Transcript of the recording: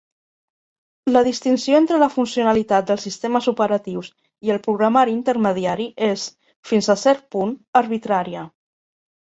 La distinció entre la funcionalitat dels sistemes operatius i el programari intermediari és, fins a cert punt, arbitrària.